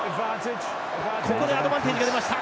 ここでアドバンテージが出ました。